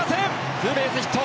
ツーベースヒット。